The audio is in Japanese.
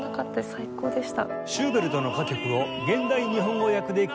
最高でした。